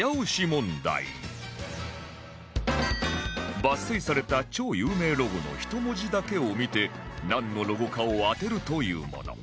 抜粋された超有名ロゴの１文字だけを見てなんのロゴかを当てるというもの